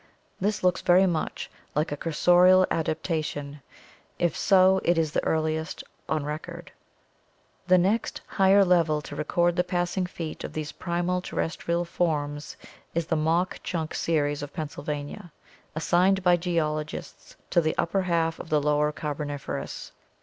This looks very much like a cursorial adaptation; if so, it is the earliest on record. The next higher level to record the passing feet of these primal terrestrial forms is the Mauch Chunk series of Pennsylvania, as signed by geologists to the upper half of the Lower Carboniferous.